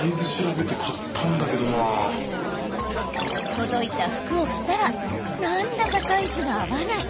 届いた服を着たらなんだかサイズが合わない。